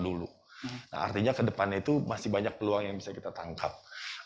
dulu artinya kedepannya itu masih banyak peluang yang bisa kita lakukan dan juga untuk percaya kepada